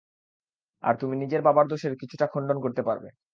আর তুমি নিজের বাবার দোষের কিছুটা খণ্ডন করতে পারবে।